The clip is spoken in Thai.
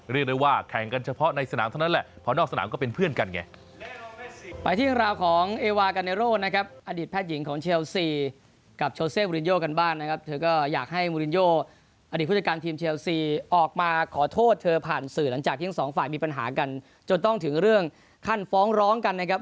เรียกได้ว่าแข่งกันเฉพาะในสนามเท่านั้นแหละเพราะนอกสนามก็เป็นเพื่อนกันไง